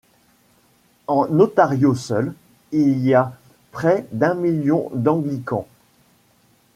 En Ontario seul, il y a près d'un million d'anglicans.